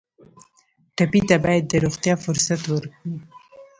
ټپي ته باید د روغتیا فرصت ورکړو.